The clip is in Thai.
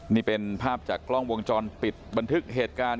นี่เป็นภาพจากกล้องวงจรปิดบันทึกเหตุการณ์